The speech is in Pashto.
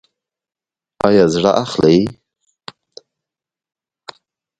ایا زړه اخلئ؟